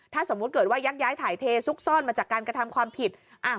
ถ้าสมมุติเกิดว่ายักย้ายถ่ายเทซุกซ่อนมาจากการกระทำความผิด